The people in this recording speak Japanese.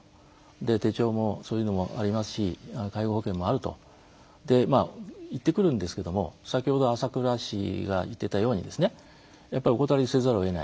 で手帳もそういうのもありますし介護保険もあると言ってくるんですけども先ほど朝倉市が言っていたようにお断りせざるをえない。